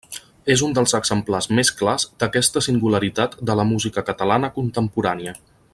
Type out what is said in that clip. És un dels exemples més clars d'aquesta singularitat de la música catalana contemporània.